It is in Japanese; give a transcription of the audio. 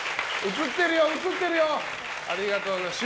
映ってるよ、映ってるよ！